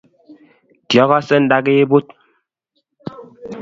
Kyagaase ndakibut